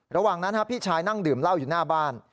ระหว่างนั้นพี่ชายนั่งดื่มเหล้าอยู่หน้าบ้าน